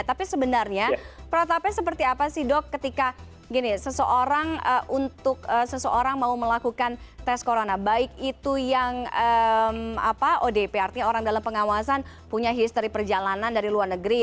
tapi sebenarnya protapnya seperti apa sih dok ketika gini seseorang untuk seseorang mau melakukan tes corona baik itu yang odp artinya orang dalam pengawasan punya history perjalanan dari luar negeri